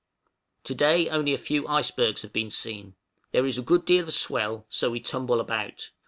To day only a few icebergs have been seen. There is a good deal of swell, so we tumble about.